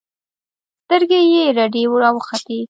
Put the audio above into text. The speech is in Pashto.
سترګې يې رډې راوختې.